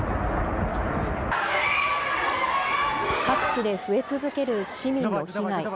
各地で増え続ける市民の被害。